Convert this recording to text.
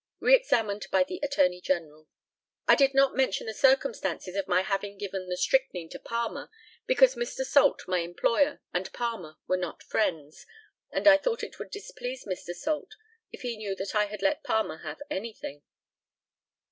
Re examined by the ATTORNEY GENERAL: I did not mention the circumstance of my having given the strychnine to Palmer, because Mr. Salt, my employer, and Palmer were not friends, and I thought it would displease Mr. Salt if he knew that I had let Palmer have anything.